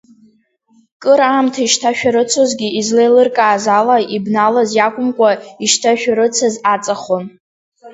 Кыр аамҭа ишьҭашәарыцозгьы излеилыркааз ала, ибналаз иакәымкәа ишьҭашәарыцаз аҵахон.